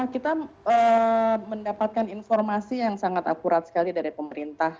kita mendapatkan informasi yang sangat akurat sekali dari pemerintah